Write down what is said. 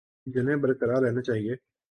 جنہیں برقرار رہنا چاہیے